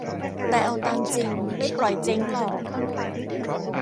แต่เอาตามจริง ไม่ปล่อยเจ๊งหรอก